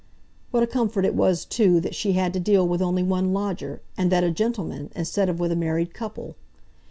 What a comfort it was, too, that she had to deal with only one lodger, and that a gentleman, instead of with a married couple!